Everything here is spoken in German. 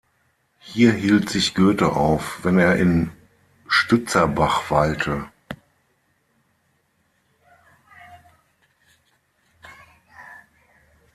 Hier hielt sich Goethe auf, wenn er in Stützerbach weilte.